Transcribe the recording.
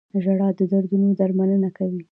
• ژړا د دردونو درملنه کوي.